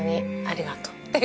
ありがとうね。